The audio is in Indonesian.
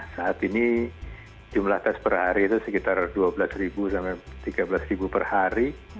saat ini jumlah tes per hari itu sekitar dua belas sampai tiga belas per hari